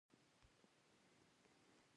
د سهار اواز د دوی زړونه ارامه او خوښ کړل.